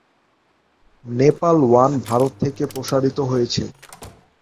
নেপাল ওয়ান ভারত থেকে প্রসারিত হয়েছে।